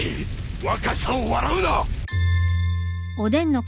若さを笑うな！